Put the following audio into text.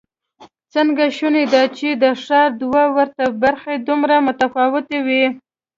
څنګه شونې ده چې د ښار دوه ورته برخې دومره متفاوتې وي؟